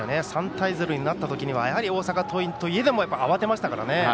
３対０になった時にはやはり大阪桐蔭といえども慌てましたからね。